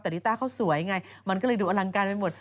แต่ลิต้าเขาสวยไงมันก็เลยดูอลังการไปหมด